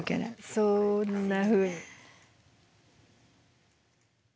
そんなふうに。